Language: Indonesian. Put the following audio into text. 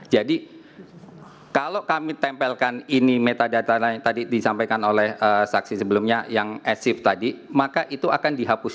jadi kalau kami tempelkan ini metadata nya tadi disampaikan oleh saksi sebelumnya yang as shift tadi maka itu akan dihapus